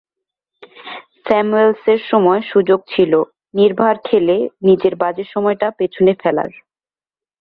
স্যামুয়েলসের সামনে সুযোগ ছিল, নির্ভার খেলে নিজের বাজে সময়টা পেছনে ফেলার।